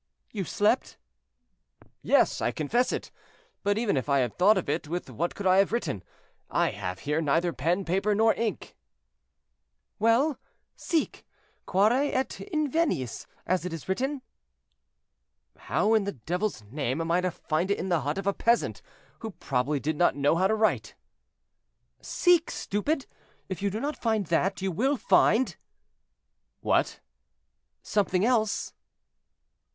"You slept?" "Yes, I confess it; but even if I had thought of it, with what could I have written? I have here neither pen, paper, nor ink." "Well, seek. 'Quare et invenies,' as it is written." "How in the devil's name am I to find it in the hut of a peasant, who probably did not know how to write?" "Seek, stupid! if you do not find that, you will find—" "What?" "Something else."